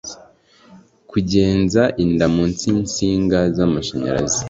kugenza inda munsi y’insinga z’amashanyarazi